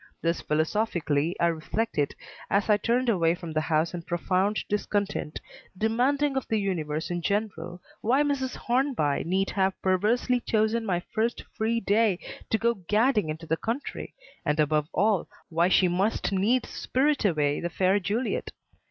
Thus philosophically I reflected as I turned away from the house in profound discontent, demanding of the universe in general why Mrs. Hornby need have perversely chosen my first free day to go gadding into the country, and above all, why she must needs spirit away the fair Juliet.